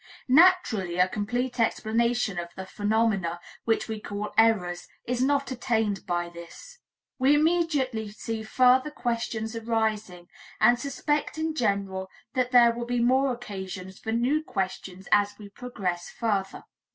Naturally, a complete explanation of the phenomena which we call errors is not attained to by this. We immediately see further questions arising, and suspect in general that there will be more occasions for new questions as we progress further.